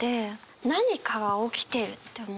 何かが起きてるって思って。